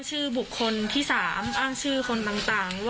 สรุปคือมั่ว